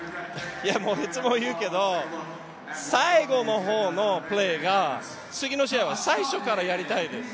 いつも言うけれども、最後の方のプレーが次の試合は最初からやりたいです。